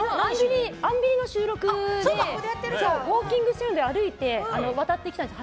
「アンビリ」の収録でウォーキングするので歩いて、渡ってきたんですよ